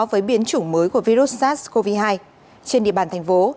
với biến chủng mới của virus sars cov hai trên địa bàn thành phố